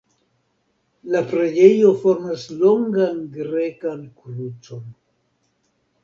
La preĝejo formas longan grekan krucon.